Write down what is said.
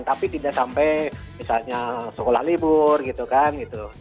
tapi tidak sampai misalnya sekolah libur gitu kan gitu